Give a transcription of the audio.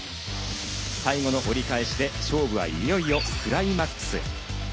最後の折り返しで、勝負はいよいよクライマックスへ。